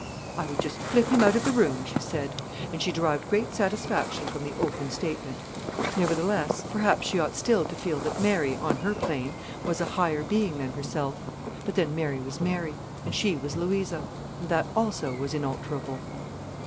"I would just flip him out of the room," she said, and she derived great satisfaction from the open statement. Nevertheless, perhaps she ought still to feel that Mary, on her plane, was a higher being than herself. But then Mary was Mary, and she was Louisa, and that also was inalterable.